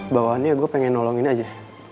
bawaannya gue pengen nolongin aja